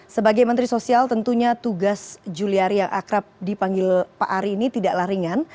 sebagai menteri sosial tentunya tugas juliari yang akrab dipanggil pak ari ini tidaklah ringan